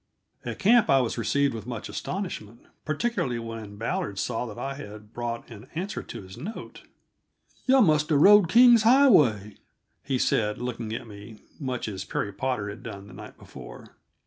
At camp I was received with much astonishment, particularly when Ballard saw that I had brought an answer to his note. "Yuh must 'a' rode King's Highway," he said, looking at me much as Perry Potter had done the night before.